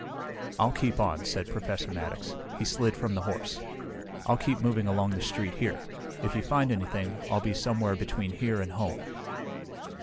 "I'll keep on," said Professor Maddox. He slid from the horse. "I'll keep moving along the street here. If you find anything, I'll be somewhere between here and home."